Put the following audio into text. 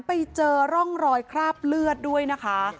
ไปเจอร่องรอยคราบเลือดด้วยนะคะ